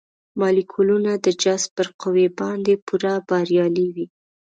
مالیکولونه د جذب پر قوې باندې پوره بریالي وي.